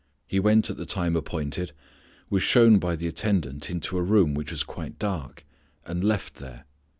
He went at the time appointed, was shown by the attendant into a room which was quite dark, and left there.